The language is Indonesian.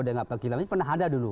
dengan pak kilamani pernah ada dulu